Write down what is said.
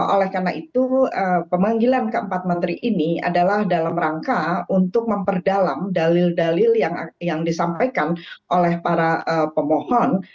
oleh karena itu pemanggilan keempat menteri ini adalah dalam rangka untuk memperdalam dalil dalil yang disampaikan oleh para pemohon